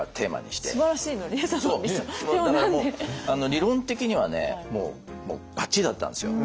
理論的にはもうバッチリだったんですよ。